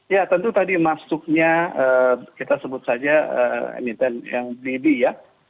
ya tentu tadi masuknya kita sebut saja emiten yang baby ya